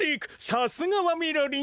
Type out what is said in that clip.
さすがはみろりん。